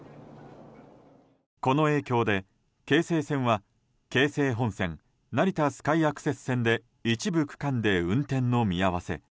この影響で京成線は、京成本線成田スカイアクセス線で一部区間で運転の見合わせ